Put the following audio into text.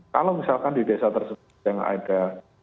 kalau misalkan di desa tersebut yang ada